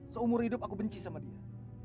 seumur hidup aku benci sama dia